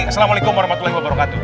assalamualaikum warahmatullahi wabarakatuh